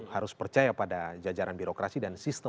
harus percaya pada jajaran birokrasi dan sistem